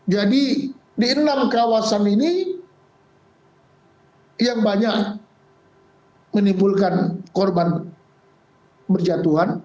jadi di enam kawasan ini yang banyak menimbulkan korban berjatuhan